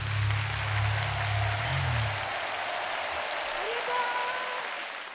ありがとう！